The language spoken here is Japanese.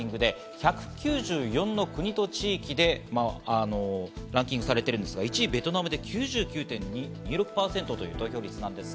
１９４の国と地域でランキングされているんですが１位ベトナム９９．２６％という投票率。